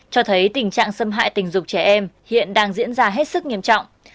cho thấy tình trạng xâm hại tình dục trẻ em hiện đang diễn ra hết sức nghiêm trọng